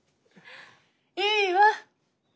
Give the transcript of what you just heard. いいわ。